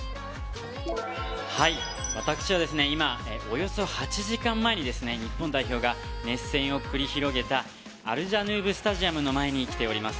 私は今、およそ８時間前に日本代表が熱戦を繰り広げたアルジャヌーブ・スタジアムの前に来ております。